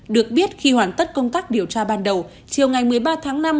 được biết khi hoàn tất công tác điều tra ban đầu chiều ngày một mươi ba tháng năm